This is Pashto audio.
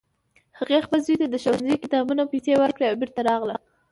هغې خپل زوی ته د ښوونځي د کتابونو پیسې ورکړې او بیرته راغله